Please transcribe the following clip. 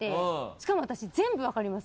しかも私全部分かります。